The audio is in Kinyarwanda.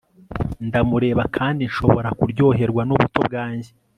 Ndamureba kandi nshobora kuryoherwa nubuto bwanjye